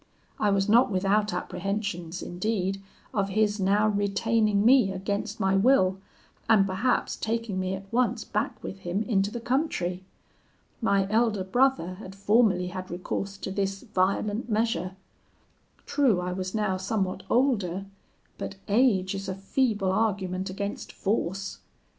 I was not without apprehensions indeed of his now retaining me against my will, and perhaps taking me at once back with him into the country. My elder brother had formerly had recourse to this violent measure. True, I was now somewhat older; but age is a feeble argument against force.